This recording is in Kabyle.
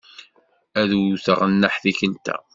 Ad wteɣ nneḥ tikkelt-a.